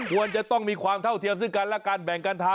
ควรจะต้องมีความเท่าเทียมซึ่งกันและการแบ่งการทำ